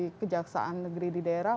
di kejaksaan negeri di daerah